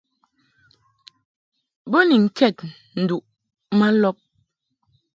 Bo ni ŋkɛd nduʼ ma lɔb.